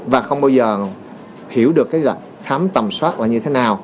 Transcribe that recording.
và không bao giờ hiểu được khám tầm soát là như thế nào